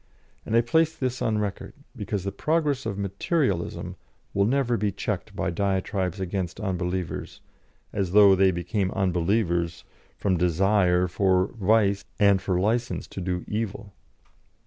And I place this on record, because the progress of Materialism will never be checked by diatribes against unbelievers, as though they became unbelievers from desire for vice and for licence to do evil.